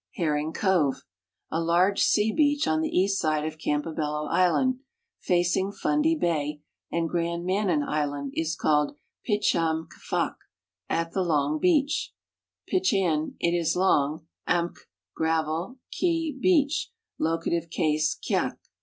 Herring cove, a large sea beach on the east side of Campobello island, facing Fundy bay and Grand Manan island, is called Pitchamkfak, " at the long beach ;" pitcheyu, il is long ; amk, gravel ; kie, beach; locative case, kfak.